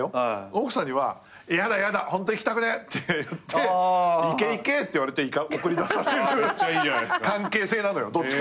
奥さんには嫌だ嫌だホント行きたくねえって言って「行け行け」って言われて送り出される関係性なのよ。